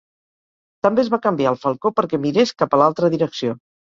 També es va canviar el falcó perquè mirés cap a l'altra direcció.